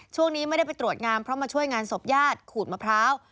ช่วงนี้ไม่ได้ไปตรวจงามเพราะมาช่วยงานศพญาติขูดมะพร้าว